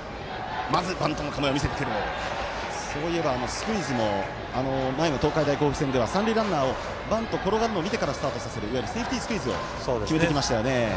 スクイズも前の東海大甲府戦では三塁ランナーをバント転がるのを見てからスタートさせるいわゆるセーフティースクイズを決めてきましたよね。